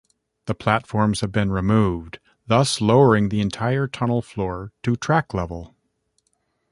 The platforms have been removed, thus lowering the entire tunnel floor to track level.